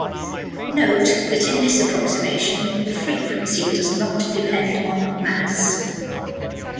Note that, in this approximation, the frequency does not depend on mass.